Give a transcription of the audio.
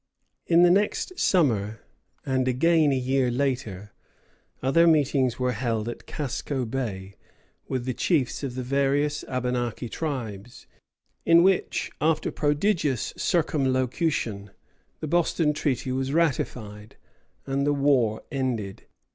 In the next summer, and again a year later, other meetings were held at Casco Bay with the chiefs of the various Abenaki tribes, in which, after prodigious circumlocution, the Boston treaty was ratified, and the war ended.